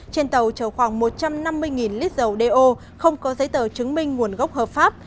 trên tàu chở khoảng một trăm năm mươi lít dầu do không có giấy tờ chứng minh nguồn gốc hợp pháp